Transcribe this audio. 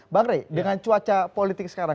bang rey dengan cuaca politik sekarang